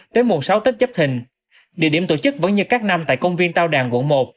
đến mùa sáu tết chấp thình địa điểm tổ chức vẫn như các năm tại công viên tao đàn quận một